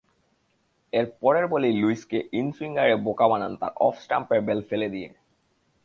এর পরের বলেই লুইসকে ইনসুইঙ্গারে বোকা বানান তাঁর অফস্টাম্পের বেল ফেলে দিয়ে।